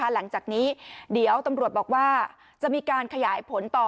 หลังจากนี้เดี๋ยวตำรวจบอกว่าจะมีการขยายผลต่อ